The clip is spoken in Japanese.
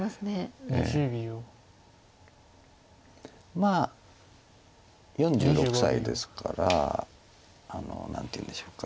まあ４６歳ですから何ていうんでしょうか。